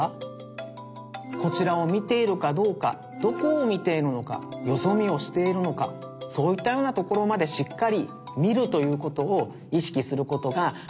こちらをみているかどうかどこをみているのかよそみをしているのかそういったようなところまでしっかりみるということをいしきすることがだいじですよね。